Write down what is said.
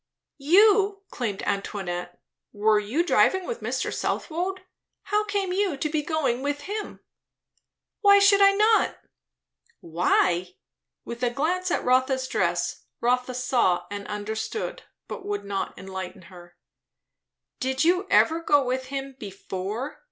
"You?" exclaimed Antoinette. "Were you driving with Mr. Southwode? How came you to be going with him?" "Why should I not?" "Why " with a glance at Rotha's dress. Rotha saw and understood, but would not enlighten her. "Did you ever go with him before?"